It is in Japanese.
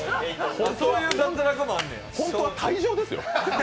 本当は退場ですよ。